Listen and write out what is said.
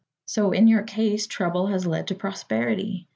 So in your case trouble has led to prosperity.